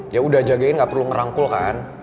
ya udah jagain gak perlu ngerangkul kan